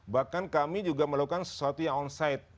bahkan kami juga melakukan sesuatu yang on site